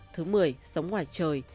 thứ mười sống ngoài trời